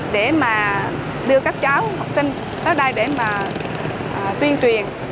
để mà đưa các cháu học sinh tới đây để mà tuyên truyền